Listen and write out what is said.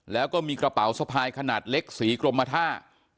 แล้วก็มีกระเป๋าสะพายขนาดเล็กสีกรมท่า